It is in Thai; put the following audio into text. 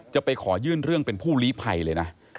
จะไปขอยื่นเรื่องเป็นผู้ลีภัยเลยนะ